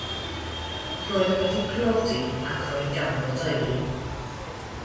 Roedd wedi priodi ac roedd ganddo deulu.